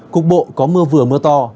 cục bộ có mưa vừa mưa to